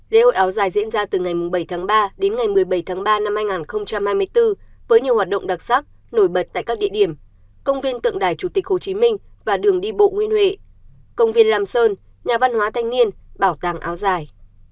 lễ hội áo dài diễn ra từ ngày bảy tháng ba đến ngày một mươi bảy tháng ba năm hai nghìn hai mươi bốn với nhiều hoạt động đặc sắc nổi bật tại các địa điểm công viên tượng đài chủ tịch hồ chí minh và đường đi bộ nguyên huệ công viên lam sơn nhà văn hóa thanh niên bảo tàng áo dài